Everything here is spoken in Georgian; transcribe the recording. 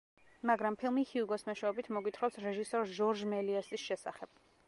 მაგრამ ფილმი ჰიუგოს მეშვეობით მოგვითხრობს რეჟისორ ჟორჟ მელიესის შესახებ.